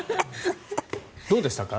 どうでしたか？